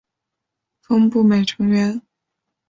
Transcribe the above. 峰步美成员。